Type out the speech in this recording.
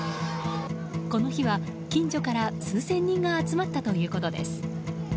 この日は近所から数千人が集まったということです。